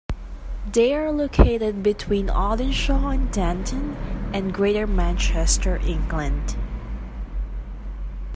They are located between Audenshaw and Denton, in Greater Manchester, England.